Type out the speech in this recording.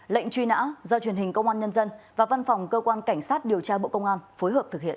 lệnh truy nã do truyền hình công an nhân dân và văn phòng cơ quan cảnh sát điều tra bộ công an phối hợp thực hiện